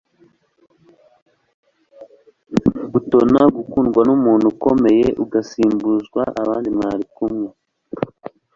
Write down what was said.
gutona gukundwa n'umuntu ukomeye ugasumbishwa abandi mwari kumwe